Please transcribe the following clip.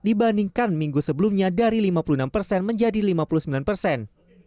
dibandingkan minggu sebelumnya dari lima puluh enam persen menjadi lima puluh sembilan persen